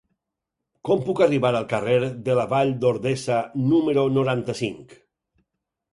Com puc arribar al carrer de la Vall d'Ordesa número noranta-cinc?